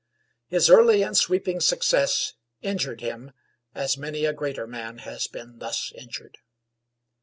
His early and sweeping success injured him as many a greater man has been thus injured.